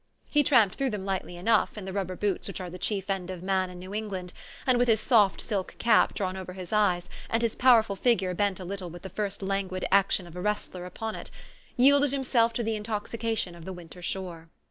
He tramped through them lightly enough, in the rubber boots which are the chief end of man in New England, and with his soft silk cap drawn over his eyes, and his powerful figure bent a little with the first languid action of a wrestler upon it, yielded himself to the intoxication of the winter shore.